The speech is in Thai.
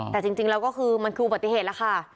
แต่จริงแล้วก็คือมันคืออุบัติเหตุแล้วค่ะ